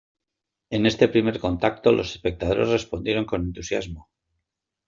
En este primer contacto, los espectadores respondieron con entusiasmo.